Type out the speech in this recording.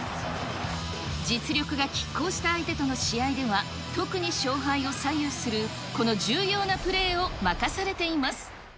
実力がきっ抗した相手との試合では、特に勝敗を左右する、この重要なプレーを任されています。